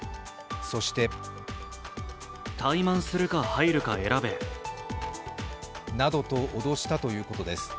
そしてなどと脅したということです。